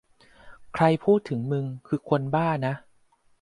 ใครพูดถึงมึงคือคนบ้านะ